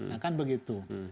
ya kan begitu